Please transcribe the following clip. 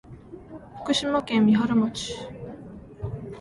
福島県三春町